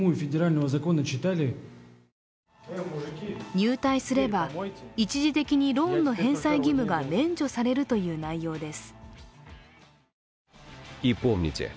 入隊すれば一時的にローンの返済義務が免除されるという内容です。